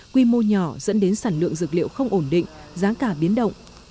quy mô nhỏ dẫn đến sản lượng dược liệu không ổn định giá cả biến động